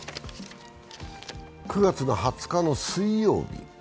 ９月２０日の水曜日。